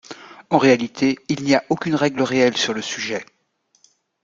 En réalité il n’y a aucune règle réelle sur le sujet.